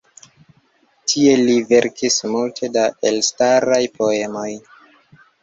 Tie li verkis multe da elstaraj poemoj.